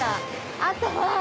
あとは。